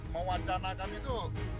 menteri yang mewacanakan itu